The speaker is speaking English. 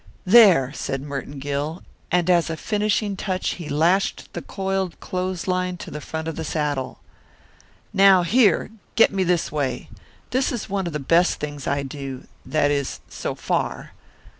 "There!" said Merton Gill, and as a finishing touch he lashed the coiled clothesline to the front of the saddle. "Now, here! Get me this way. This is one of the best things I do that is, so far."